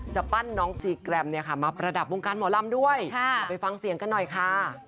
จะปั้นน้องซีแกรมมาประดับวงการหมอลำด้วยเอาไปฟังเสียงกันหน่อยค่ะ